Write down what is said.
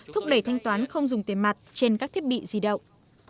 thúc đẩy thanh toán không dùng tiền mặt trên các thiết bị di động